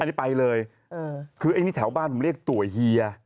อันนี้ไปเลยคือไอ้นี่แถวบ้านผมเรียกตัวเฮีย